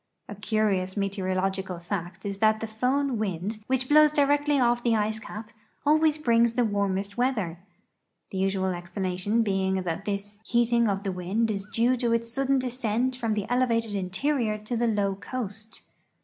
A curious meteorological fact is that the Fohn wind, which blows directly off the ice cap, always brings the warmest weather ; the usual explanation being that this heating of the wind is due to its sudden descent from the elevated interior to the low coast.